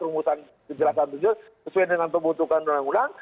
rumusan kejelasan tujuan sesuai dengan kebutuhan undang undang